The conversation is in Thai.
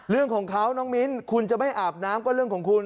เรื่องของเขาน้องมิ้นคุณจะไม่อาบน้ำก็เรื่องของคุณ